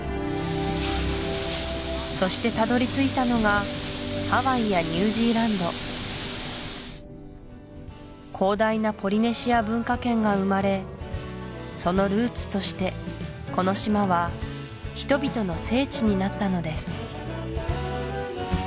そしてたどり着いたのがハワイやニュージーランド広大なポリネシア文化圏が生まれそのルーツとしてこの島は人々の聖地になったのです